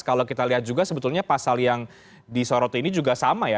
kalau kita lihat juga sebetulnya pasal yang disorot ini juga sama ya